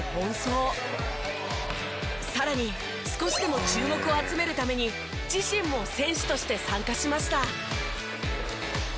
さらに少しでも注目を集めるために自身も選手として参加しました。